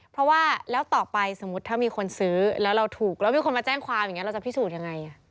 เพราะว่าแล้วต่อไปสมมุติถ้ามีคนซื้อแล้วเราถูกแล้วมีคนมาแจ้งความอย่างนี้เราจะพิสูจน์ยังไง